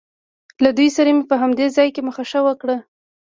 له دوی سره مې په همدې ځای کې مخه ښه وکړ.